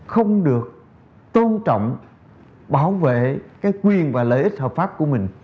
không được tôn trọng bảo vệ cái quyền và lợi ích hợp pháp của mình